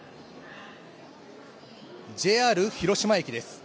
ＪＲ広島駅です。